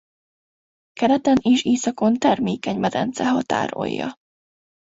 Keleten és északon termékeny medence határolja.